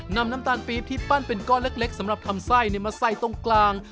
น้ำตาลปี๊บที่ปั้นเป็นก้อนเล็กสำหรับทำไส้มาใส่ตรงกลาง